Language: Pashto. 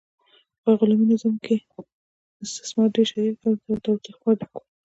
په غلامي نظام کې استثمار ډیر شدید او له تاوتریخوالي ډک و.